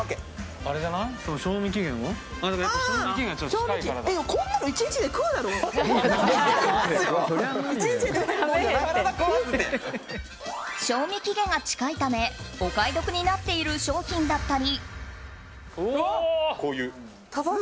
賞味期限が近いためお買い得になっている商品だったり。